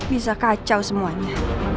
bisa kacau semuanya